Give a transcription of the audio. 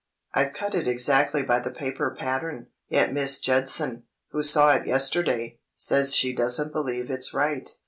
"I've cut it exactly by the paper pattern, yet Miss Judson, who saw it yesterday, says she doesn't believe it's right.